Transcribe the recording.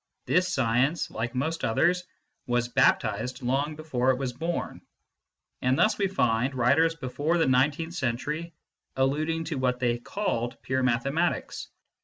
This science, like most others, was baptised long before it was born ; and thus we find writers before the nineteenth century alluding to what they called pure mathematics.